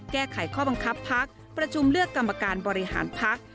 แก้ไขข้อบังคับพักประชุมเลือกกรรมการบริหารพัก